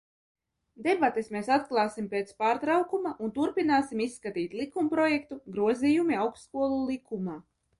"Debates mēs atklāsim pēc pārtraukuma un turpināsim izskatīt likumprojektu "Grozījumi Augstskolu likumā"."